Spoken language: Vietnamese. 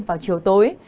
vào chiều tối